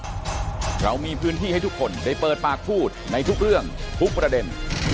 เรามีพื้นที่ให้ทุกคนได้เปิดปากพูดในทุกเรื่องทุกประเด็น